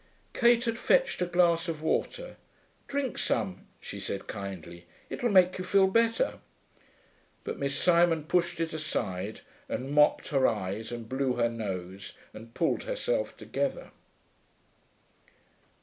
Kate had fetched a glass of water. 'Drink some,' she said kindly. 'It'll make you feel better.' But Miss Simon pushed it aside and mopped her eyes and blew her nose and pulled herself together.